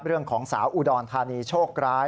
เรื่องของสาวอุดรธานีโชคร้าย